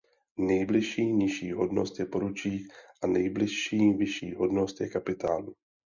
Nejbližší nižší hodnost je poručík a nejbližší vyšší hodnost je kapitán.